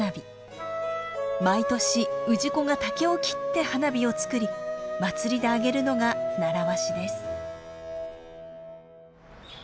毎年氏子が竹を切って花火を作り祭りで上げるのが習わしです。